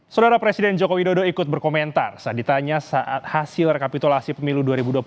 saudara presiden joko widodo ikut berkomentar saat ditanya saat hasil rekapitulasi pemilu dua ribu dua puluh